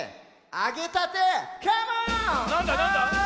あげたて